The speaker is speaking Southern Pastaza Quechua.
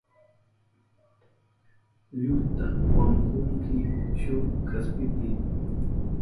Iluta wankunki shuk kaspipi.